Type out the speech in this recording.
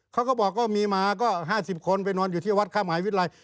เขาก็บอกว่ามีมาก็๕๐คนไปนอนอยู่ที่วัดค่ามหาวิทยาลัย